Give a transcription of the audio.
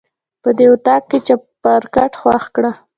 په دې اطاق کې چپرکټ خوښ کړه.